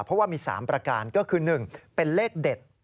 เพราะว่ามี๓ประการก็คือ๑เป็นเลขเด็ด